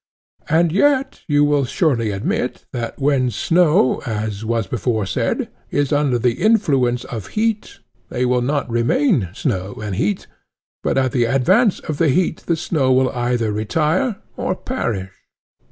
And yet you will surely admit, that when snow, as was before said, is under the influence of heat, they will not remain snow and heat; but at the advance of the heat, the snow will either retire or perish?